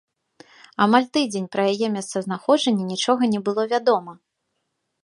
Амаль тыдзень пра яе месцазнаходжанне нічога не было вядома.